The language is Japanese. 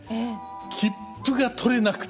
切符が取れなくて。